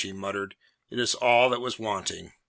he muttered, "it is all that was wanting!"